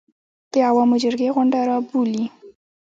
د عوامو جرګې غونډه راوبولي.